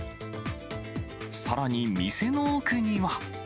さらに店の奥には。